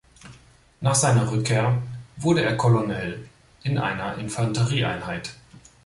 Nach seiner Rückkehr wurde er Colonel in einer Infanterieeinheit.